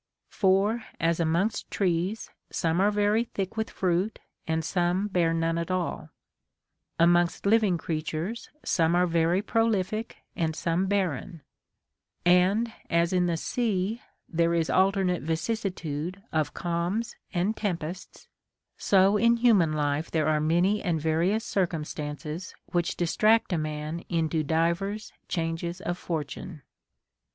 * 5. For, as amongst trees some are very thick Avith fruit, and some bear none at all ; amongst living creatures some are very prolific, and some barren ; and as in the sea there is alternate vicissitude of calms and tempests, so in human life there are many and various circumstances which dis tract a man into divers changes of fortune.